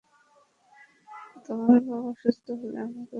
তোমার বাবা সুস্থ হলে আমাকে খবর দিও।